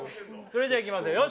それじゃいきますよ